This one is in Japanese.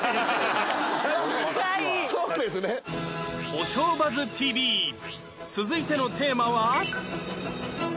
『おしょうバズ ＴＶ』続いてのテーマは